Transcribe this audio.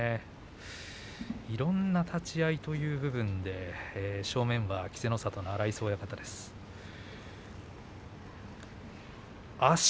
いろいろな立ち合いという部分で正面は稀勢の里の荒磯親方です。